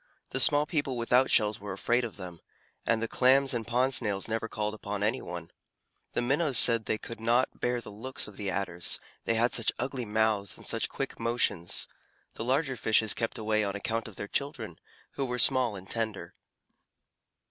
The small people without shells were afraid of them, and the Clams and Pond Snails never called upon any one. The Minnows said they could not bear the looks of the Adders they had such ugly mouths and such quick motions. The larger fishes kept away on account of their children, who were small and tender.